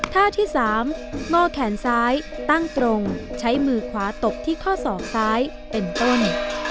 ท่าที่๓ง่อแขนซ้ายตั้งตรงใช้มือขวาตบที่ข้อศอกซ้ายเป็นต้น